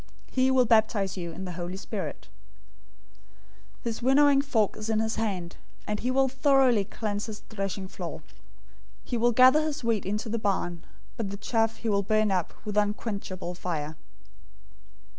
He will baptize you in the Holy Spirit.{TR and NU add "and with fire"} 003:012 His winnowing fork is in his hand, and he will thoroughly cleanse his threshing floor. He will gather his wheat into the barn, but the chaff he will burn up with unquenchable fire."